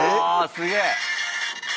すげえ！